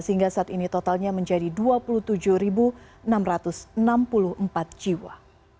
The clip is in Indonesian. sehingga saat ini totalnya menjadi dua puluh tujuh enam ratus enam puluh empat jiwa